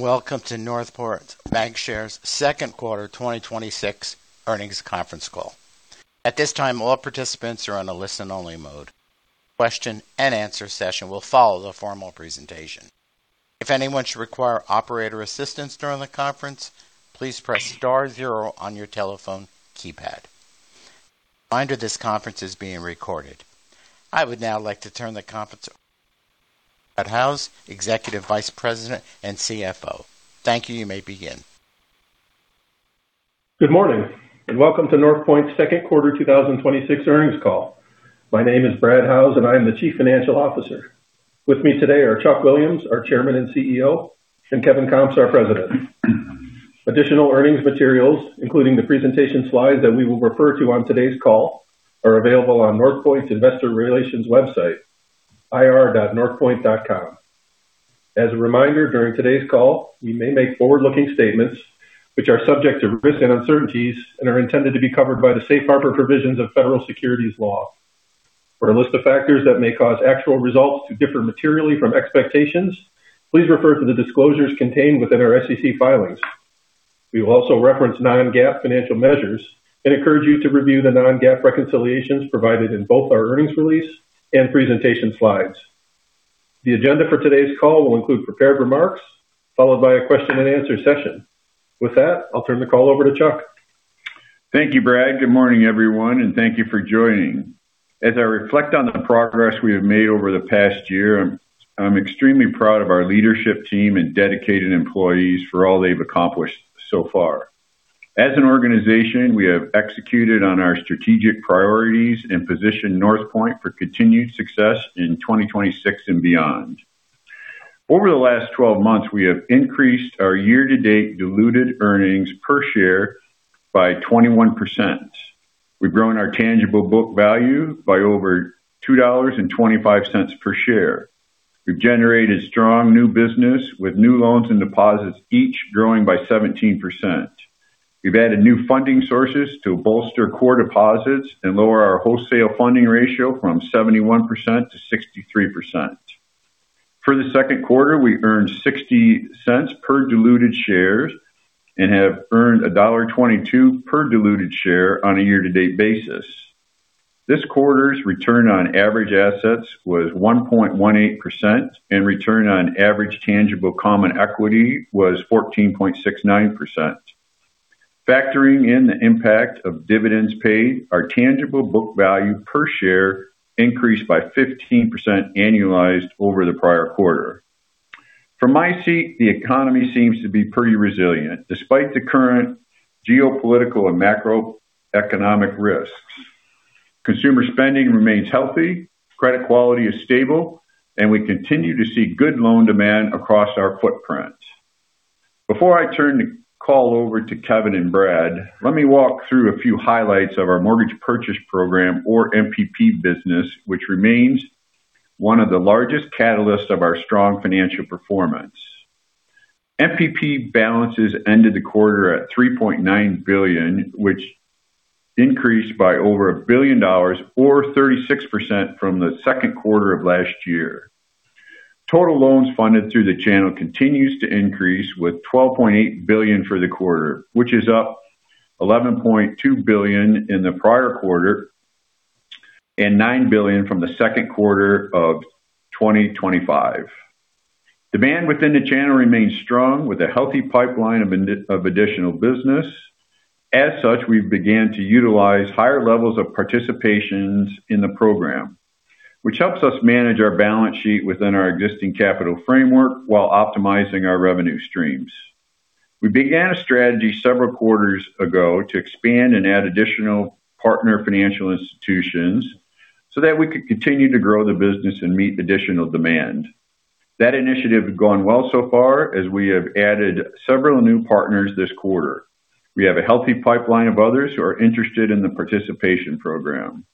Welcome to Northpointe Bancshares' second quarter 2026 earnings conference call. At this time, all participants are on a listen-only mode. Question and answer session will follow the formal presentation. If anyone should require operator assistance during the conference, please press star zero on your telephone keypad. Reminder, this conference is being recorded. I would now like to turn the conference over to Brad Howes, Executive Vice President and CFO. Thank you. You may begin. Good morning, welcome to Northpointe's second quarter 2026 earnings call. My name is Brad Howes, and I am the Chief Financial Officer. With me today are Chuck Williams, our Chairman and CEO, and Kevin Comps, our President. Additional earnings materials, including the presentation slides that we will refer to on today's call, are available on Northpointe's Investor Relations website, ir.northpointe.com. As a reminder, during today's call, we may make forward-looking statements which are subject to risk and uncertainties and are intended to be covered by the safe harbor provisions of federal securities law. For a list of factors that may cause actual results to differ materially from expectations, please refer to the disclosures contained within our SEC filings. We will also reference non-GAAP financial measures and encourage you to review the non-GAAP reconciliations provided in both our earnings release and presentation slides. The agenda for today's call will include prepared remarks followed by a question and answer session. With that, I'll turn the call over to Chuck. Thank you, Brad. Good morning, everyone, thank you for joining. As I reflect on the progress we have made over the past year, I'm extremely proud of our leadership team and dedicated employees for all they've accomplished so far. As an organization, we have executed on our strategic priorities and positioned Northpointe for continued success in 2026 and beyond. Over the last 12 months, we have increased our year-to-date diluted earnings per share by 21%. We've grown our tangible book value by over $2.25 per share. We've generated strong new business with new loans and deposits each growing by 17%. We've added new funding sources to bolster core deposits and lower our wholesale funding ratio from 71%-63%. For the second quarter, we earned $0.60 per diluted shares and have earned $1.22 per diluted share on a year-to-date basis. This quarter's return on average assets was 1.18%, and return on average tangible common equity was 14.69%. Factoring in the impact of dividends paid, our tangible book value per share increased by 15% annualized over the prior quarter. From my seat, the economy seems to be pretty resilient despite the current geopolitical and macroeconomic risks. Consumer spending remains healthy, credit quality is stable, and we continue to see good loan demand across our footprint. Before I turn the call over to Kevin Comps and Brad Howes, let me walk through a few highlights of our Mortgage Purchase Program or MPP business, which remains one of the largest catalysts of our strong financial performance. MPP balances ended the quarter at $3.9 billion, which increased by over $1 billion or 36% from the second quarter of last year. Total loans funded through the channel continues to increase with $12.8 billion for the quarter, which is up $11.2 billion in the prior quarter and $9 billion from the second quarter of 2025. Demand within the channel remains strong with a healthy pipeline of additional business. As such, we've began to utilize higher levels of participations in the program, which helps us manage our balance sheet within our existing capital framework while optimizing our revenue streams. We began a strategy several quarters ago to expand and add additional partner financial institutions so that we could continue to grow the business and meet additional demand. That initiative has gone well so far as we have added several new partners this quarter. We have a healthy pipeline of others who are interested in the participation program.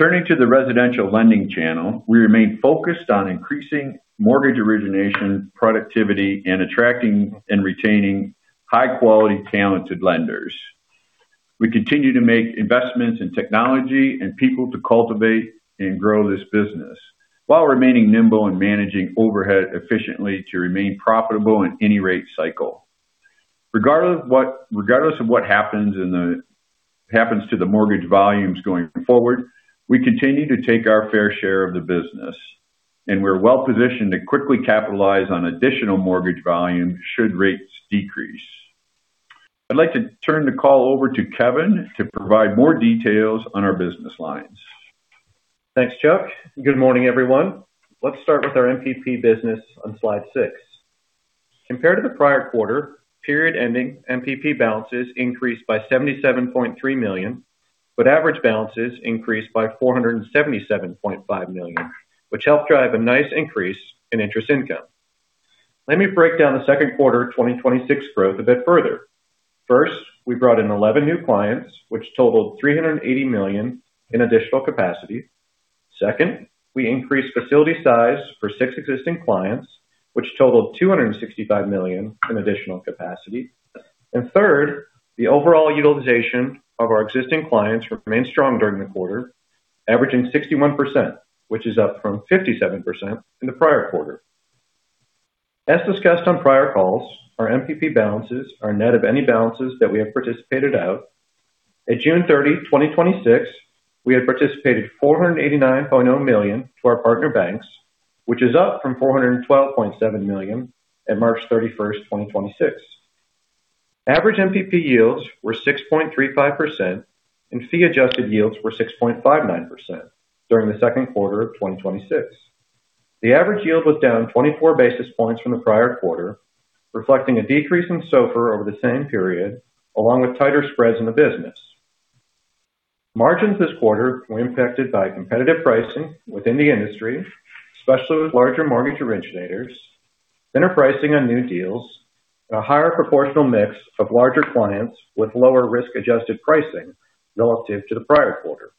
Turning to the residential lending channel, we remain focused on increasing mortgage origination productivity and attracting and retaining high-quality, talented lenders. We continue to make investments in technology and people to cultivate and grow this business while remaining nimble and managing overhead efficiently to remain profitable in any rate cycle. Regardless of what happens to the mortgage volumes going forward, we continue to take our fair share of the business, and we're well-positioned to quickly capitalize on additional mortgage volume should rates decrease. I'd like to turn the call over to Kevin to provide more details on our business lines. Thanks, Chuck. Good morning, everyone. Let's start with our MPP business on slide six. Compared to the prior quarter, period-ending MPP balances increased by $77.3 million, but average balances increased by $477.5 million, which helped drive a nice increase in interest income. Let me break down the second quarter 2026 growth a bit further. First, we brought in 11 new clients, which totaled $380 million in additional capacity. Second, we increased facility size for six existing clients, which totaled $265 million in additional capacity. Third, the overall utilization of our existing clients remained strong during the quarter. Averaging 61%, which is up from 57% in the prior quarter. As discussed on prior calls, our MPP balances are net of any balances that we have participated out. At June 30, 2026, we had participated $489.0 million to our partner banks, which is up from $412.7 million at March 31st, 2026. Average MPP yields were 6.35%, fee-adjusted yields were 6.59% during the second quarter of 2026. The average yield was down 24 basis points from the prior quarter, reflecting a decrease in SOFR over the same period, along with tighter spreads in the business. Margins this quarter were impacted by competitive pricing within the industry, especially with larger mortgage originators, thinner pricing on new deals, and a higher proportional mix of larger clients with lower risk-adjusted pricing relative to the prior quarter.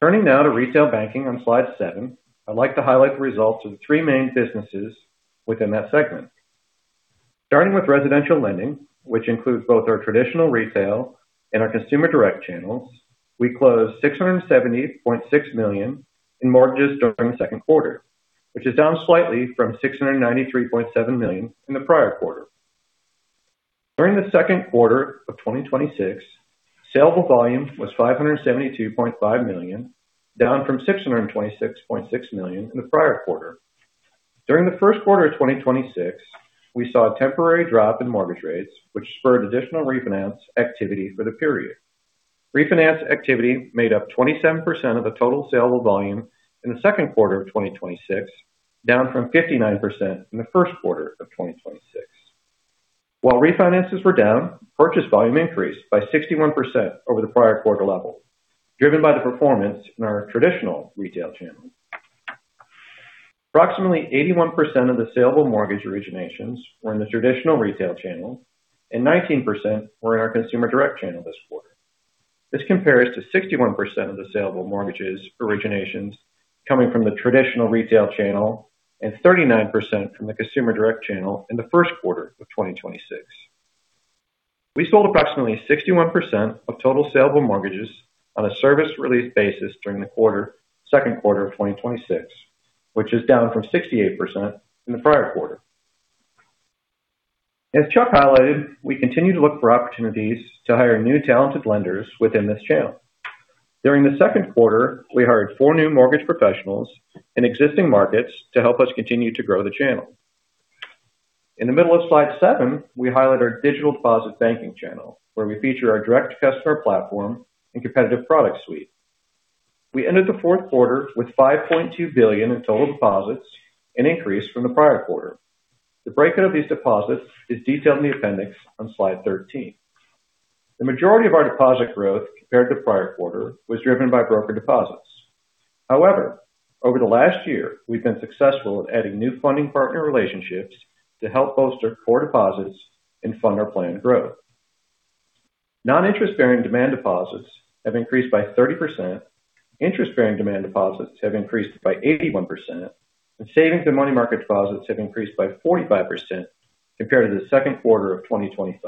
Turning now to retail banking on slide seven, I'd like to highlight the results of the three main businesses within that segment. Starting with residential lending, which includes both our traditional retail and our consumer direct channels, we closed $670.6 million in mortgages during the second quarter, which is down slightly from $693.7 million in the prior quarter. During the second quarter of 2026, saleable volume was $572.5 million, down from $626.6 million in the prior quarter. During the first quarter of 2026, we saw a temporary drop in mortgage rates, which spurred additional refinance activity for the period. Refinance activity made up 27% of the total saleable volume in the second quarter of 2026, down from 59% in the first quarter of 2026. While refinances were down, purchase volume increased by 61% over the prior quarter level, driven by the performance in our traditional retail channel. Approximately 81% of the saleable mortgage originations were in the traditional retail channel, and 19% were in our consumer direct channel this quarter. This compares to 61% of the saleable mortgages originations coming from the traditional retail channel and 39% from the consumer direct channel in the first quarter of 2026. We sold approximately 61% of total saleable mortgages on a service release basis during the second quarter of 2026, which is down from 68% in the prior quarter. As Chuck highlighted, we continue to look for opportunities to hire new talented lenders within this channel. During the second quarter, we hired four new mortgage professionals in existing markets to help us continue to grow the channel. In the middle of slide seven, we highlight our digital deposit banking channel, where we feature our direct customer platform and competitive product suite. We ended the fourth quarter with $5.2 billion in total deposits, an increase from the prior quarter. The breakout of these deposits is detailed in the appendix on slide 13. The majority of our deposit growth compared to the prior quarter was driven by broker deposits. However, over the last year, we've been successful at adding new funding partner relationships to help bolster core deposits and fund our planned growth. Non-interest-bearing demand deposits have increased by 30%, interest-bearing demand deposits have increased by 81%, and savings and money market deposits have increased by 45% compared to the second quarter of 2025.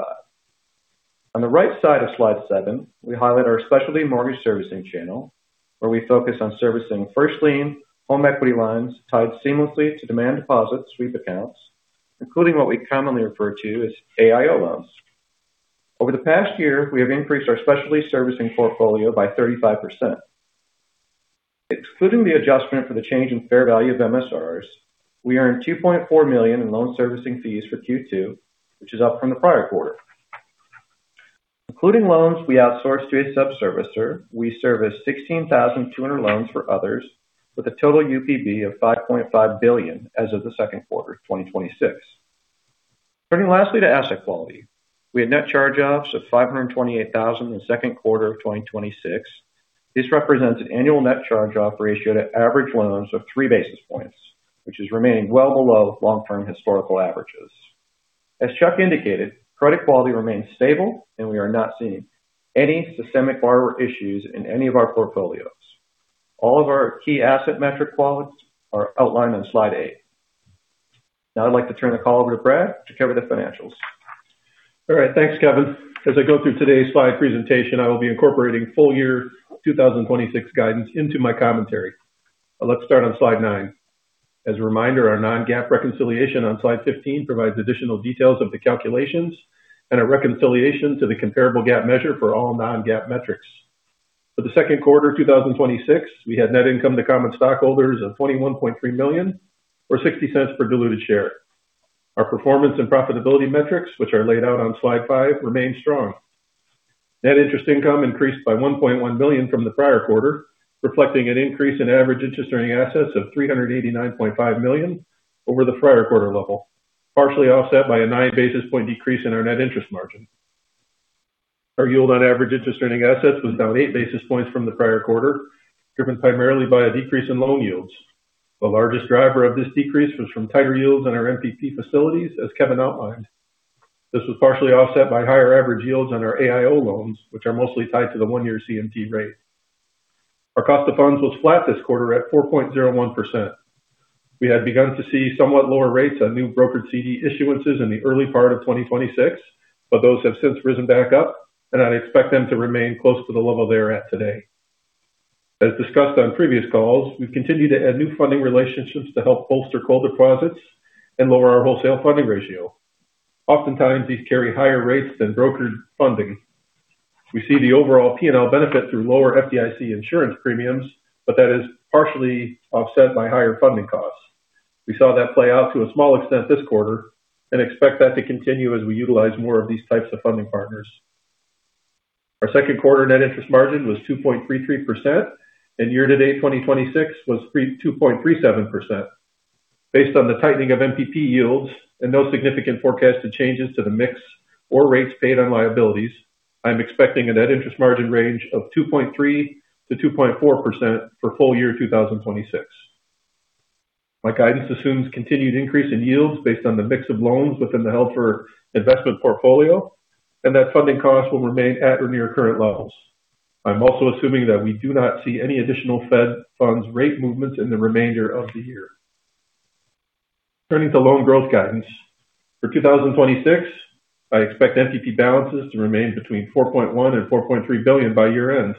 On the right side of slide seven, we highlight our specialty mortgage servicing channel, where we focus on servicing first-lien home equity lines tied seamlessly to demand deposit sweep accounts, including what we commonly refer to as AIO loans. Over the past year, we have increased our specialty servicing portfolio by 35%. Excluding the adjustment for the change in fair value of MSRs, we earned $2.4 million in loan servicing fees for Q2, which is up from the prior quarter. Including loans we outsourced to a sub-servicer, we serviced 16,200 loans for others with a total UPB of $5.5 billion as of the second quarter of 2026. Turning lastly to asset quality, we had net charge-offs of $528,000 in the second quarter of 2026. This represents an annual net charge-off ratio to average loans of three basis points, which is remaining well below long-term historical averages. As Chuck indicated, credit quality remains stable and we are not seeing any systemic borrower issues in any of our portfolios. All of our key asset metric qualities are outlined on slide eight. Now I'd like to turn the call over to Brad to cover the financials. All right. Thanks, Kevin. As I go through today's slide presentation, I will be incorporating full year 2026 guidance into my commentary. Let's start on slide nine. As a reminder, our non-GAAP reconciliation on slide 15 provides additional details of the calculations and a reconciliation to the comparable GAAP measure for all non-GAAP metrics. For the second quarter of 2026, we had net income to common stockholders of $21.3 million or $0.60 per diluted share. Our performance and profitability metrics, which are laid out on slide five, remain strong. Net interest income increased by $1.1 million from the prior quarter, reflecting an increase in average interest-earning assets of $389.5 million over the prior quarter level, partially offset by a nine basis point decrease in our net interest margin. Our yield on average interest-earning assets was down eight basis points from the prior quarter, driven primarily by a decrease in loan yields. The largest driver of this decrease was from tighter yields on our MPP facilities, as Kevin outlined. This was partially offset by higher average yields on our AIO loans, which are mostly tied to the one-year CMT rate. Our cost of funds was flat this quarter at 4.01%. We had begun to see somewhat lower rates on new brokered CD issuances in the early part of 2026, but those have since risen back up, and I expect them to remain close to the level they're at today. As discussed on previous calls, we've continued to add new funding relationships to help bolster core deposits and lower our wholesale funding ratio. Oftentimes, these carry higher rates than brokered funding. We see the overall P&L benefit through lower FDIC insurance premiums, but that is partially offset by higher funding costs. We saw that play out to a small extent this quarter and expect that to continue as we utilize more of these types of funding partners. Our second quarter net interest margin was 2.33%, and year-to-date 2026 was 2.37%. Based on the tightening of MPP yields and no significant forecasted changes to the mix or rates paid on liabilities, I'm expecting a net interest margin range of 2.3%-2.4% for full year 2026. My guidance assumes continued increase in yields based on the mix of loans within the held for investment portfolio, and that funding costs will remain at or near current levels. I'm also assuming that we do not see any additional Fed funds rate movements in the remainder of the year. Turning to loan growth guidance. For 2026, I expect MPP balances to remain between $4.1 billion and $4.3 billion by year-end.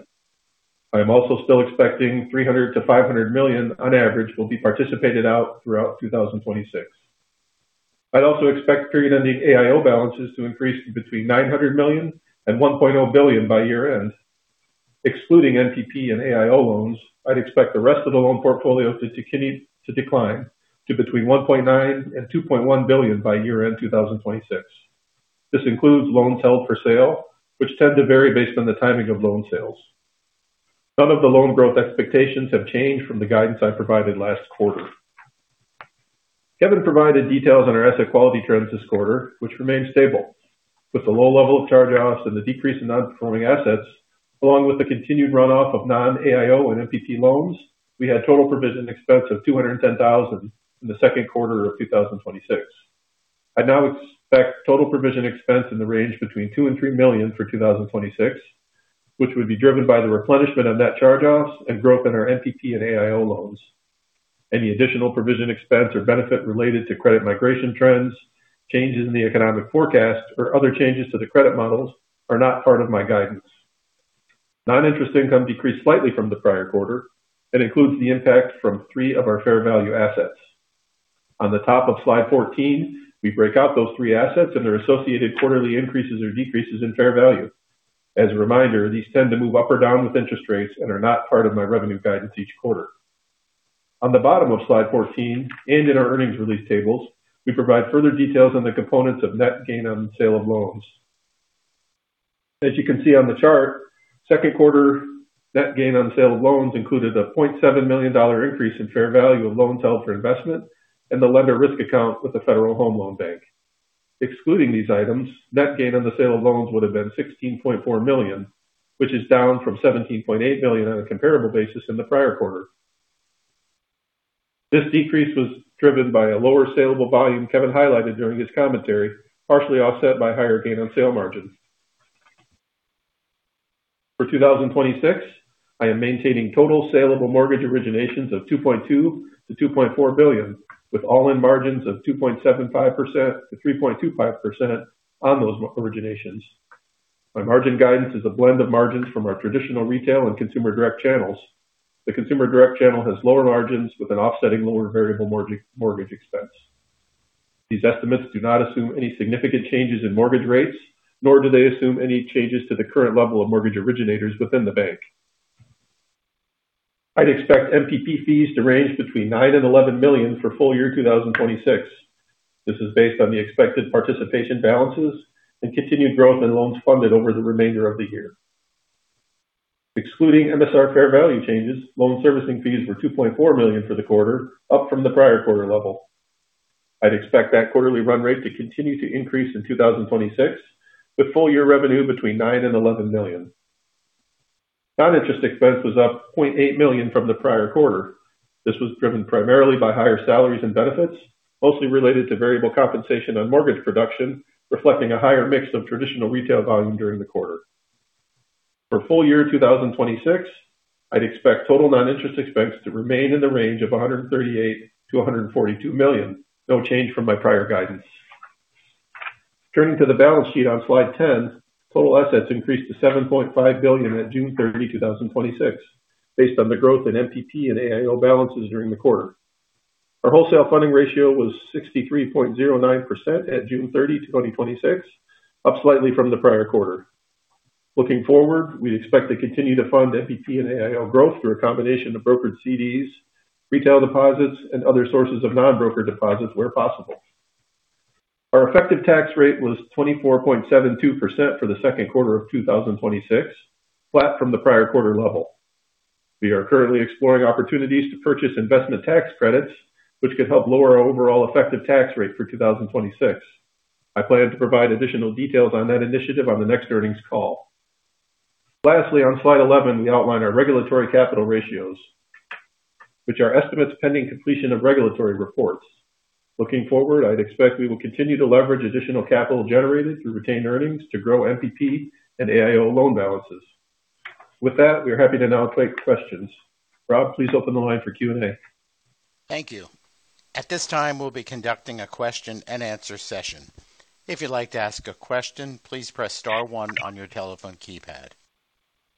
I am also still expecting $300 million-$500 million on average will be participated out throughout 2026. I'd also expect period-ending AIO balances to increase to between $900 million and $1.0 billion by year-end. Excluding MPP and AIO loans, I'd expect the rest of the loan portfolio to decline to between $1.9 billion and $2.1 billion by year-end 2026. This includes loans held for sale, which tend to vary based on the timing of loan sales. None of the loan growth expectations have changed from the guidance I provided last quarter. Kevin provided details on our asset quality trends this quarter, which remained stable. With the low level of charge-offs and the decrease in non-performing assets, along with the continued runoff of non-AIO and MPP loans, we had total provision expense of $210,000 in the second quarter of 2026. I now expect total provision expense in the range between $2 million and $3 million for 2026, which would be driven by the replenishment of net charge-offs and growth in our MPP and AIO loans. Any additional provision expense or benefit related to credit migration trends, changes in the economic forecast, or other changes to the credit models are not part of my guidance. Non-interest income decreased slightly from the prior quarter and includes the impact from three of our fair value assets. On the top of slide 14, we break out those three assets and their associated quarterly increases or decreases in fair value. As a reminder, these tend to move up or down with interest rates and are not part of my revenue guidance each quarter. On the bottom of slide 14 and in our earnings release tables, we provide further details on the components of net gain on sale of loans. As you can see on the chart, second quarter net gain on sale of loans included a $0.7 million increase in fair value of loans held for investment and the lender risk account with the Federal Home Loan Bank. Excluding these items, net gain on the sale of loans would've been $16.4 million, which is down from $17.8 million on a comparable basis in the prior quarter. This decrease was driven by a lower saleable volume Kevin highlighted during his commentary, partially offset by higher gain on sale margins. For 2026, I am maintaining total saleable mortgage originations of $2.2 billion-$2.4 billion, with all-in margins of 2.75%-3.25% on those originations. My margin guidance is a blend of margins from our traditional retail and consumer direct channels. The consumer direct channel has lower margins with an offsetting lower variable mortgage expense. These estimates do not assume any significant changes in mortgage rates, nor do they assume any changes to the current level of mortgage originators within the bank. I'd expect MPP fees to range between $9 million and $11 million for full year 2026. This is based on the expected participation balances and continued growth in loans funded over the remainder of the year. Excluding MSR fair value changes, loan servicing fees were $2.4 million for the quarter, up from the prior quarter level. I'd expect that quarterly run rate to continue to increase in 2026, with full year revenue between $9 million and $11 million. Non-interest expense was up $0.8 million from the prior quarter. This was driven primarily by higher salaries and benefits, mostly related to variable compensation on mortgage production, reflecting a higher mix of traditional retail volume during the quarter. For full year 2026, I'd expect total non-interest expense to remain in the range of $138 million-$142 million. No change from my prior guidance. Turning to the balance sheet on slide 10, total assets increased to $7.5 billion at June 30, 2026, based on the growth in MPP and AIO balances during the quarter. Our wholesale funding ratio was 63.09% at June 30, 2026, up slightly from the prior quarter. Looking forward, we expect to continue to fund MPP and AIO growth through a combination of brokered CDs, retail deposits, and other sources of non-broker deposits where possible. Our effective tax rate was 24.72% for the second quarter of 2026, flat from the prior quarter level. We are currently exploring opportunities to purchase investment tax credits, which could help lower our overall effective tax rate for 2026. I plan to provide additional details on that initiative on the next earnings call. Lastly, on slide 11, we outline our regulatory capital ratios, which are estimates pending completion of regulatory reports. Looking forward, I'd expect we will continue to leverage additional capital generated through retained earnings to grow MPP and AIO loan balances. With that, we are happy to now take questions. Rob, please open the line for Q&A. Thank you. At this time, we'll be conducting a question and answer session. If you'd like to ask a question, please press star one on your telephone keypad.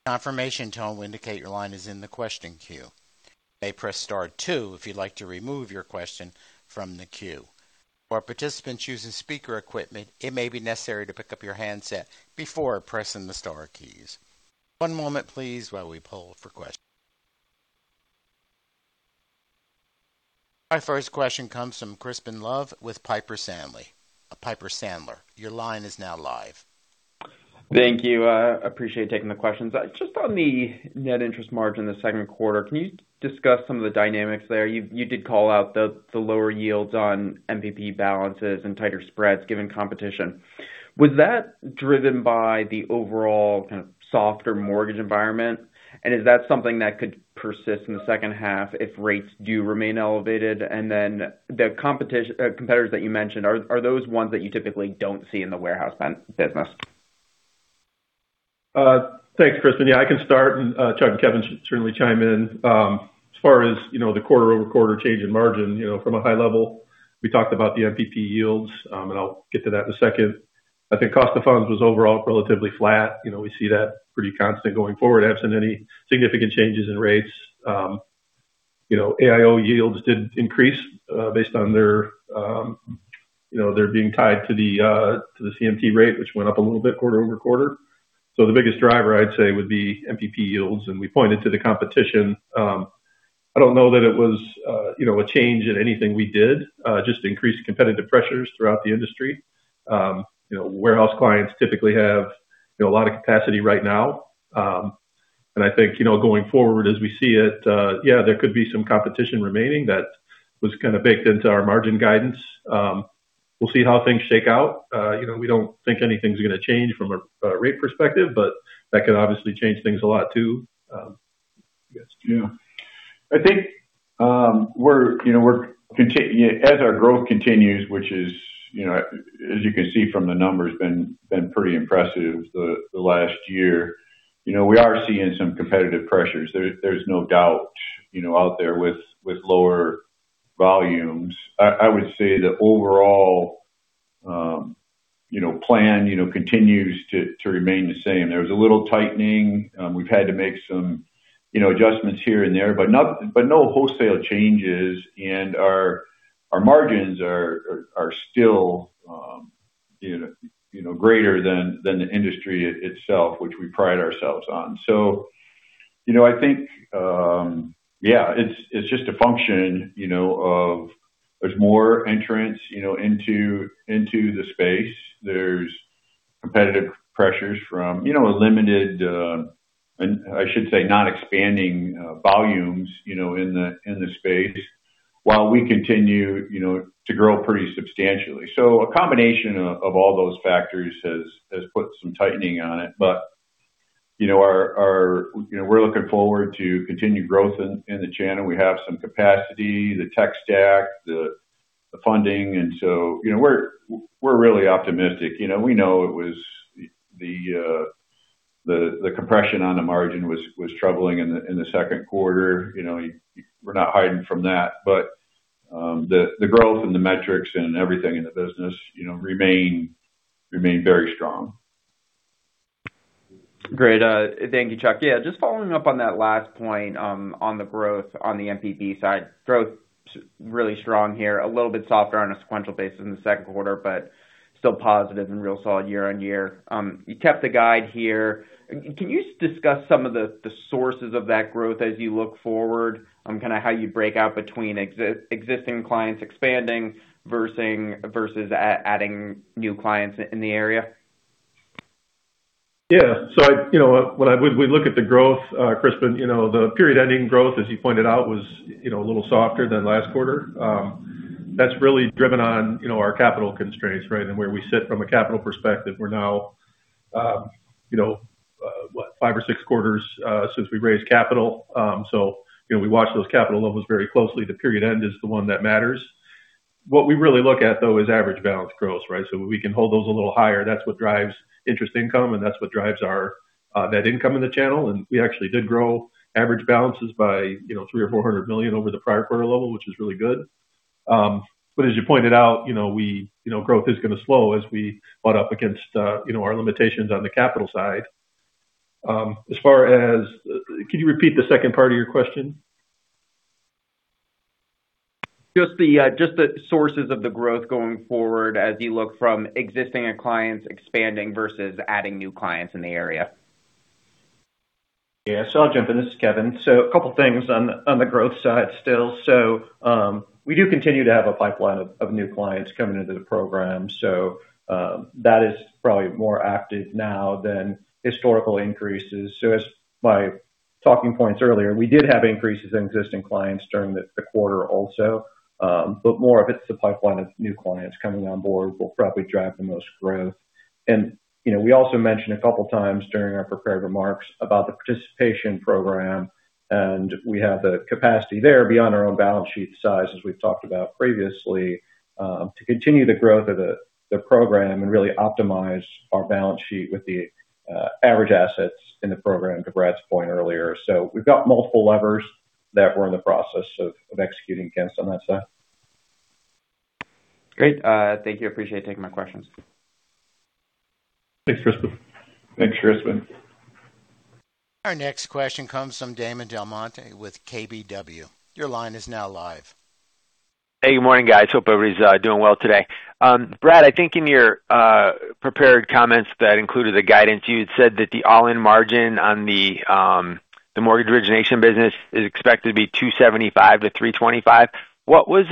A confirmation tone will indicate your line is in the question queue. You may press star two if you'd like to remove your question from the queue. For participants using speaker equipment, it may be necessary to pick up your handset before pressing the star keys. One moment please while we poll for questions. Our first question comes from Crispin Love with Piper Sandler. Piper Sandler, your line is now live. Thank you. I appreciate you taking the questions. Just on the net interest margin in the second quarter, can you discuss some of the dynamics there? You did call out the lower yields on MPP balances and tighter spreads given competition. Was that driven by the overall kind of softer mortgage environment? Is that something that could persist in the second half if rates do remain elevated? Then the competitors that you mentioned, are those ones that you typically don't see in the warehouse business? Thanks, Crispin. I can start, and Chuck and Kevin should certainly chime in. As far as the quarter-over-quarter change in margin, from a high level, we talked about the MPP yields, and I will get to that in a second. I think cost of funds was overall relatively flat. We see that pretty constant going forward, absent any significant changes in rates. AIO yields did increase based on their being tied to the CMT rate, which went up a little bit quarter-over-quarter. The biggest driver I would say would be MPP yields, and we pointed to the competition. I do not know that it was a change in anything we did, just increased competitive pressures throughout the industry. Warehouse clients typically have a lot of capacity right now. I think, going forward as we see it, there could be some competition remaining that was kind of baked into our margin guidance. We will see how things shake out. We do not think anything is going to change from a rate perspective, but that could obviously change things a lot, too. I think as our growth continues, which, as you can see from the numbers, has been pretty impressive the last year. We are seeing some competitive pressures. There is no doubt out there with lower volumes. I would say the overall plan continues to remain the same. There was a little tightening. We have had to make some adjustments here and there, but no wholesale changes, and our margins are still greater than the industry itself, which we pride ourselves on. I think it is just a function of there is more entrants into the space. There is competitive pressures from a limited, I should say, not expanding volumes in the space while we continue to grow pretty substantially. A combination of all those factors has put some tightening on it. We are looking forward to continued growth in the channel. We have some capacity, the tech stack, the funding. We are really optimistic. We know the compression on the margin was troubling in the second quarter. We are not hiding from that. The growth in the metrics and everything in the business remain very strong. Great. Thank you, Chuck. Yeah, just following up on that last point on the growth on the MPP side. Growth really strong here. A little bit softer on a sequential basis in the second quarter, but still positive and real solid year-over-year. You kept the guide here. Can you discuss some of the sources of that growth as you look forward? Kind of how you break out between existing clients expanding versus adding new clients in the area? Yeah. When we look at the growth, Crispin, the period-ending growth, as you pointed out, was a little softer than last quarter. That's really driven on our capital constraints, right? And where we sit from a capital perspective. We're now five or six quarters since we raised capital. We watch those capital levels very closely. The period end is the one that matters. What we really look at, though, is average balance growth, right? We can hold those a little higher. That's what drives interest income, and that's what drives that income in the channel. We actually did grow average balances by $300 million or $400 million over the prior quarter level, which is really good. As you pointed out, growth is going to slow as we butt up against our limitations on the capital side. Can you repeat the second part of your question? Just the sources of the growth going forward as you look from existing clients expanding versus adding new clients in the area. Yeah. I'll jump in. This is Kevin. A couple things on the growth side still. We do continue to have a pipeline of new clients coming into the program. That is probably more active now than historical increases. As my talking points earlier, we did have increases in existing clients during the quarter also. More of it's the pipeline of new clients coming on board will probably drive the most growth. We also mentioned a couple times during our prepared remarks about the participation program, and we have the capacity there beyond our own balance sheet size, as we've talked about previously, to continue the growth of the program and really optimize our balance sheet with the average assets in the program, to Brad's point earlier. We've got multiple levers we're in the process of executing against on that side. Great. Thank you. Appreciate you taking my questions. Thanks, Crispin. Thanks, Crispin. Our next question comes from Damon DelMonte with KBW. Your line is now live. Hey, good morning, guys. Hope everybody's doing well today. Brad, I think in your prepared comments that included the guidance, you had said that the all-in margin on the mortgage origination business is expected to be 275 to 325. What was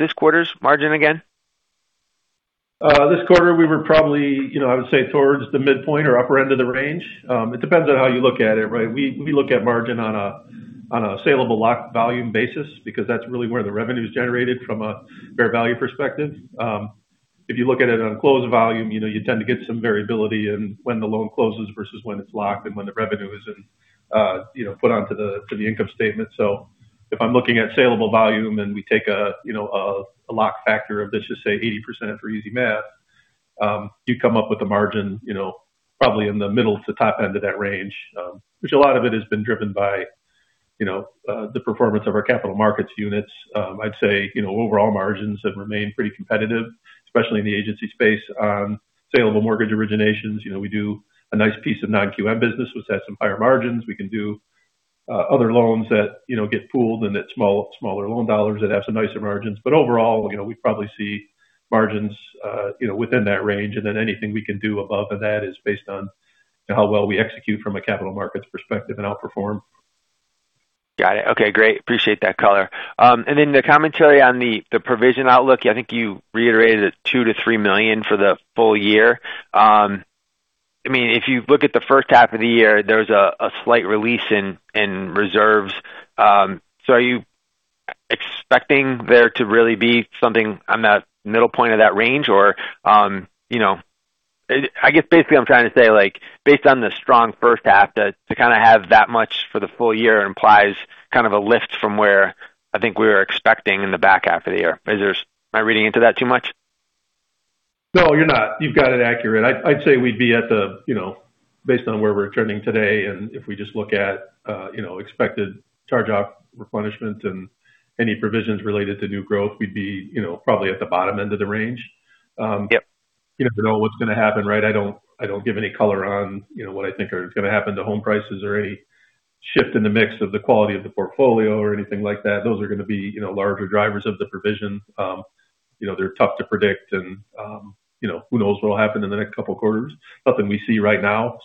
this quarter's margin again? This quarter, we were probably, I would say, towards the midpoint or upper end of the range. It depends on how you look at it, right? We look at margin on a saleable lock volume basis because that's really where the revenue is generated from a fair value perspective. If you look at it on closed volume, you tend to get some variability in when the loan closes versus when it's locked and when the revenue is put onto the income statement. If I'm looking at saleable volume and we take a lock factor of let's just say 80% for easy math, you come up with a margin probably in the middle to top end of that range. Which a lot of it has been driven by the performance of our capital markets units. I'd say, overall margins have remained pretty competitive, especially in the agency space on saleable mortgage originations. We do a nice piece of non-QM business, which has some higher margins. We can do other loans that get pooled and that smaller loan dollars that have some nicer margins. Overall, we probably see margins within that range. Anything we can do above that is based on how well we execute from a capital markets perspective and outperform. Got it. Okay, great. Appreciate that color. The commentary on the provision outlook, I think you reiterated it $2 million-$3 million for the full year. If you look at the first half of the year, there's a slight release in reserves. Are you expecting there to really be something on that middle point of that range? Or, I guess basically I'm trying to say, based on the strong first half to have that much for the full year implies kind of a lift from where I think we were expecting in the back half of the year. Am I reading into that too much? No, you're not. You've got it accurate. I'd say we'd be based on where we're trending today, if we just look at expected charge-off replenishment and any provisions related to new growth, we'd be probably at the bottom end of the range. Yep. Who knows what's going to happen, right? I don't give any color on what I think are going to happen to home prices or any shift in the mix of the quality of the portfolio or anything like that. Those are going to be larger drivers of the provision. They're tough to predict and who knows what'll happen in the next couple of quarters. Nothing we see right now.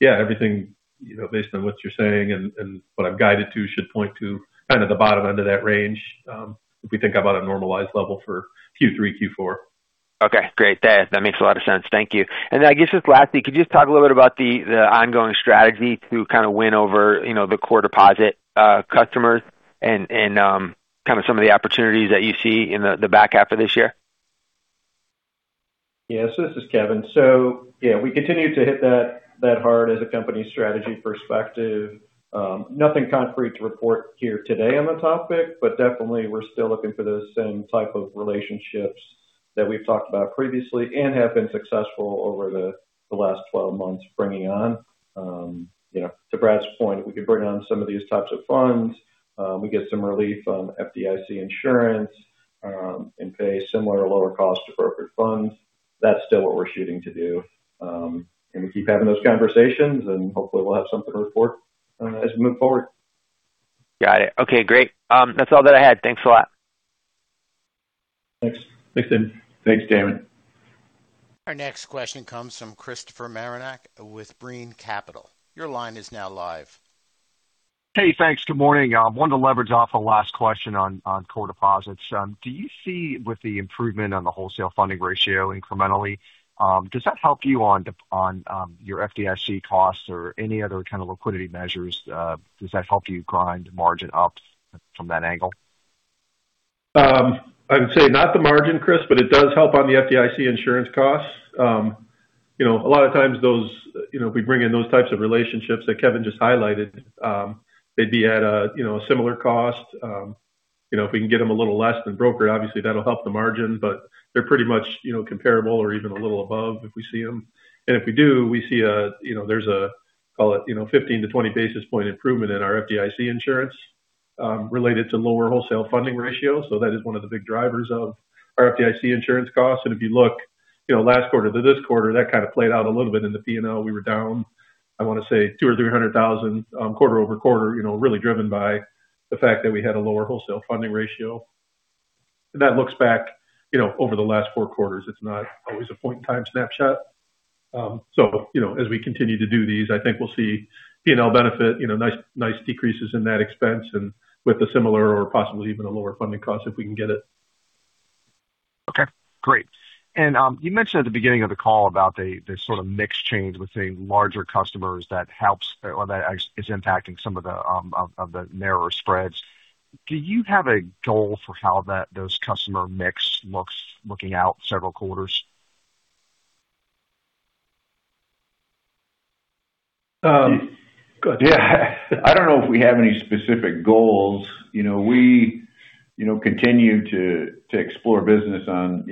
Yeah, everything based on what you're saying and what I've guided to, should point to kind of the bottom end of that range. If we think about a normalized level for Q3, Q4. Okay, great. That makes a lot of sense. Thank you. I guess just lastly, could you just talk a little bit about the ongoing strategy to kind of win over the core deposit customers and kind of some of the opportunities that you see in the back half of this year? This is Kevin. We continue to hit that hard as a company strategy perspective. Nothing concrete to report here today on the topic, but definitely we're still looking for those same type of relationships that we've talked about previously and have been successful over the last 12 months bringing on. To Brad's point, if we could bring on some of these types of funds, we get some relief on FDIC insurance, and pay similar or lower cost to broker funds. That's still what we're shooting to do. We keep having those conversations, and hopefully we'll have something to report as we move forward. Got it. Okay, great. That's all that I had. Thanks a lot. Thanks. Thanks, Damon. Our next question comes from Christopher Marinac with Brean Capital. Your line is now live. Hey, thanks. Good morning. I wanted to leverage off the last question on core deposits. Do you see with the improvement on the wholesale funding ratio incrementally, does that help you on your FDIC costs or any other kind of liquidity measures? Does that help you grind margin up from that angle? I would say not the margin, Chris. It does help on the FDIC insurance costs. A lot of times if we bring in those types of relationships that Kevin just highlighted, they'd be at a similar cost. If we can get them a little less than broker, obviously that will help the margin. They're pretty much comparable or even a little above if we see them. If we do, we see there's a, call it 15 to 20 basis point improvement in our FDIC insurance related to lower wholesale funding ratio. That is one of the big drivers of our FDIC insurance costs. If you look last quarter to this quarter, that kind of played out a little bit in the P&L. We were down, I want to say $200,000 or $300,000 quarter-over-quarter, really driven by the fact that we had a lower wholesale funding ratio. That looks back over the last four quarters. It's not always a point in time snapshot. As we continue to do these, I think we'll see P&L benefit, nice decreases in that expense and with a similar or possibly even a lower funding cost if we can get it. Okay, great. You mentioned at the beginning of the call about the sort of mix change with the larger customers that is impacting some of the narrower spreads. Do you have a goal for how those customer mix looking out several quarters? Go ahead. Yeah. I don't know if we have any specific goals. Continue to explore business on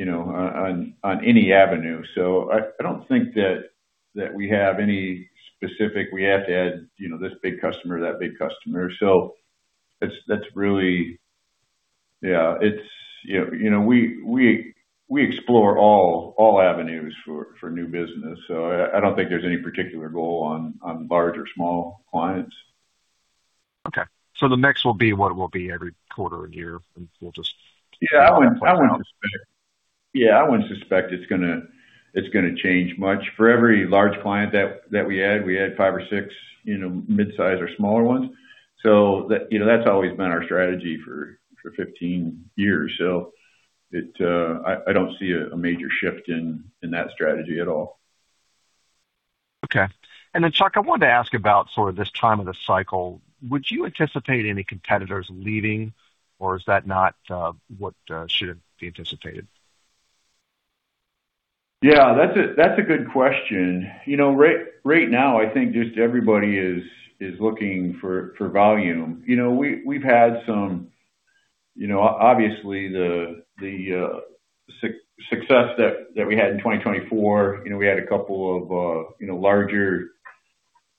any avenue. I don't think that we have any specific, we have to add this big customer or that big customer. We explore all avenues for new business. I don't think there's any particular goal on large or small clients. Okay. The mix will be what it will be every quarter and year. Yeah. I wouldn't suspect it's going to change much. For every large client that we add, we add five or six mid-size or smaller ones. That's always been our strategy for 15 years. I don't see a major shift in that strategy at all. Okay. Chuck, I wanted to ask about sort of this time of the cycle. Would you anticipate any competitors leaving? Is that not what should be anticipated? Yeah, that's a good question. Right now, I think just everybody is looking for volume. Obviously, the success that we had in 2024, we had a couple of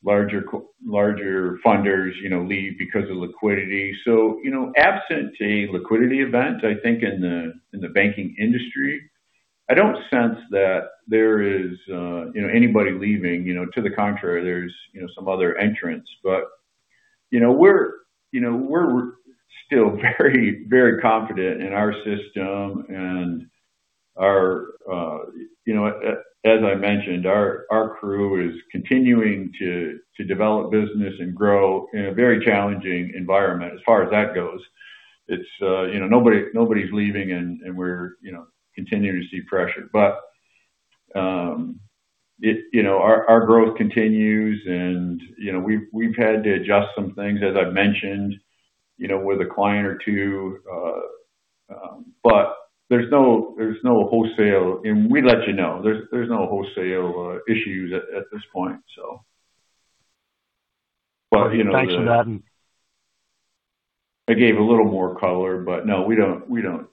larger funders leave because of liquidity. Absent a liquidity event, I think in the banking industry, I don't sense that there is anybody leaving. To the contrary, there's some other entrants. We're still very confident in our system and as I mentioned, our crew is continuing to develop business and grow in a very challenging environment as far as that goes. Nobody's leaving and we're continuing to see pressure. Our growth continues and we've had to adjust some things, as I've mentioned, with a client or two. There's no wholesale and we'd let you know. There's no wholesale issues at this point. Thanks for that. I gave a little more color. No, we don't.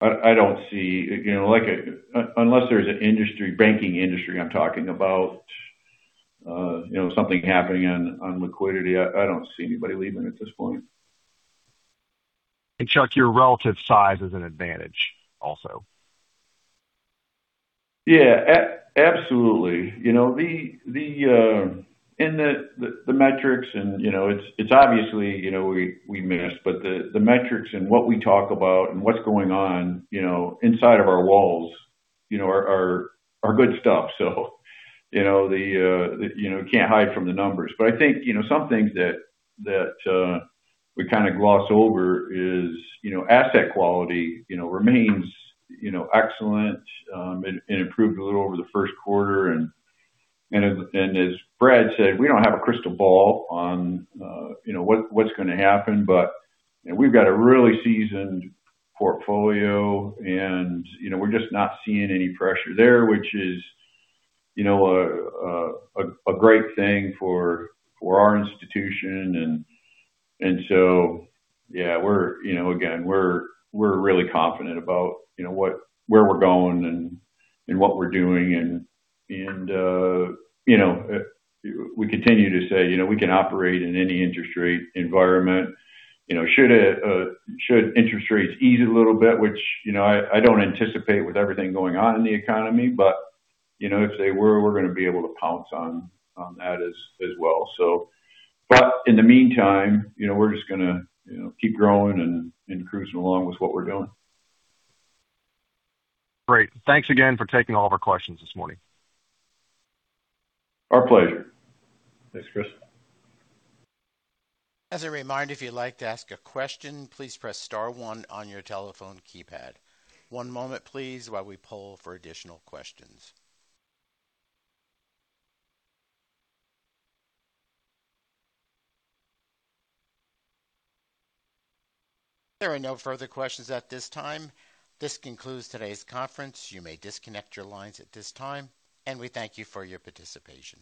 I don't see, unless there's an industry, banking industry, I'm talking about something happening on liquidity, I don't see anybody leaving at this point. Chuck, your relative size is an advantage also. Absolutely. The metrics and it's obviously we missed, but the metrics and what we talk about and what's going on inside of our walls are good stuff. You can't hide from the numbers. I think some things that we kind of gloss over is asset quality remains excellent and improved a little over the first quarter. As Brad said, we don't have a crystal ball on what's going to happen. We've got a really seasoned portfolio, and we're just not seeing any pressure there, which is a great thing for our institution. Again, we're really confident about where we're going and what we're doing. We continue to say we can operate in any interest rate environment. Should interest rates ease a little bit, which I don't anticipate with everything going on in the economy, but if they were, we're going to be able to pounce on that as well. In the meantime, we're just going to keep growing and cruising along with what we're doing. Great. Thanks again for taking all of our questions this morning. Our pleasure. Thanks, Chris. As a reminder, if you'd like to ask a question, please press star one on your telephone keypad. One moment please while we poll for additional questions. There are no further questions at this time. This concludes today's conference. You may disconnect your lines at this time, and we thank you for your participation.